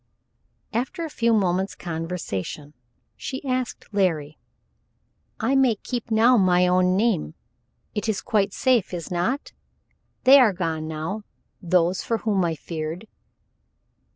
After a few moments' conversation she asked Larry: "I may keep now my own name, it is quite safe, is not? They are gone now those for whom I feared."